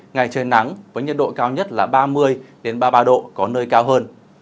ngày trời nắng với nhiệt độ cao nhất là ba mươi ba mươi ba độ có nơi cao hơn